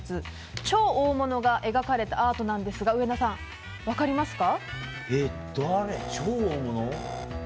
超大物が描かれたアートなんですが上田さん、分かりますか？